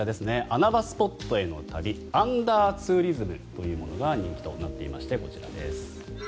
穴場スポットへの旅アンダーツーリズムというものが人気となっていましてこちらです。